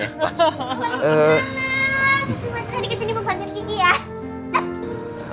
mas kadi kesini membangun gigi ya